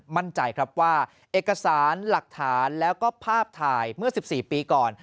มั่นใจครับว่าเอกสารหลักฐานแล้วก็ภาพถ่ายเมื่อ๑๔ปีก่อน